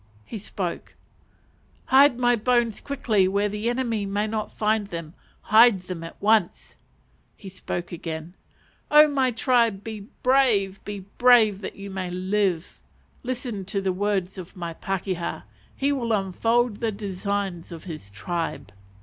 He spoke. "Hide my bones quickly where the enemy may not find them: hide them at once." He spoke again "Oh my tribe, be brave! be brave that you may live. Listen to the words of my pakeha; he will unfold the designs of his tribe."